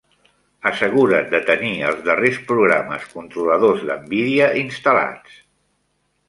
Assegura't de tenir els darrers programes controladors d'Nvidia instal·lats.